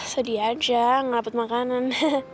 sedih aja gak dapet makanan